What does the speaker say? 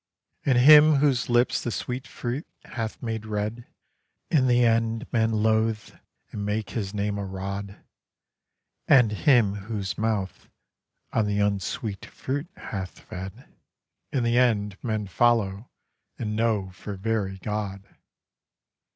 And him whose lips the sweet fruit hath made red In the end men loathe and make his name a rod; And him whose mouth on the unsweet fruit hath fed In the end men follow and know for very God.